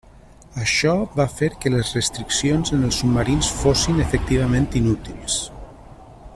Això va fer que les restriccions en els submarins fossin efectivament inútils.